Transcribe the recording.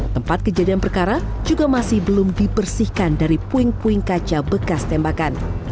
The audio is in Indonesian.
tempat kejadian perkara juga masih belum dibersihkan dari puing puing kaca bekas tembakan